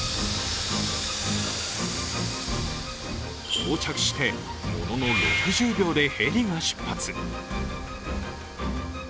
到着して、ものの６０秒でヘリが出発。